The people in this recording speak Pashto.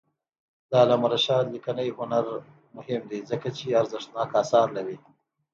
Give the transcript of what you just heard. د علامه رشاد لیکنی هنر مهم دی ځکه چې ارزښتناک آثار لري.